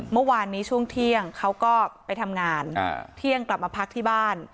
เมื่อวานนี้ช่วงเที่ยงเขาก็ไปทำงานเที่ยงกลับมาพักที่บ้าน